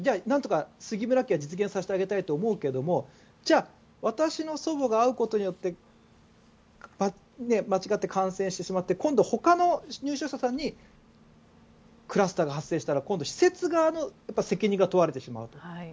なんとか杉村家を実現させてあげたいと思うけどもじゃあ私の祖母が会うことによって間違って感染してしまって今度はほかの入所者さんにクラスターが発生したら今度、施設側の責任が問われてしまう。